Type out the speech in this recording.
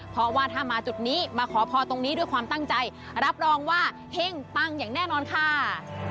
เพราะว่าถ้ามาจุดนี้มาขอพรตรงนี้ด้วยความตั้งใจรับรองว่าเฮ่งปังอย่างแน่นอนค่ะ